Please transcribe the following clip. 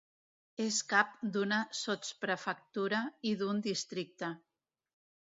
És cap d'una sotsprefectura i d'un districte.